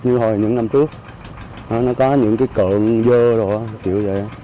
như hồi những năm trước nó có những cái cợn dơ rồi kiểu vậy